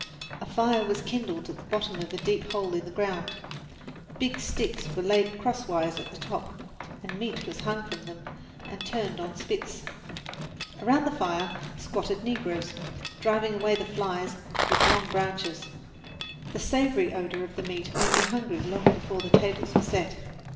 A fire was kindled at the bottom of a deep hole in the ground, big sticks were laid crosswise at the top, and meat was hung from them and turned on spits. Around the fire squatted negroes, driving away the flies with long branches. The savoury odour of the meat made me hungry long before the tables were set.